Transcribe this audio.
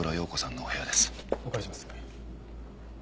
お借りします。